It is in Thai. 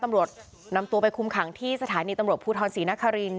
ตำรวจนำตัวไปคุมขังที่สถานีตำรวจภูทรศรีนคริน